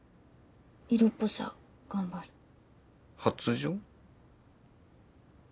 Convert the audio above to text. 色っぽさ頑張る発情？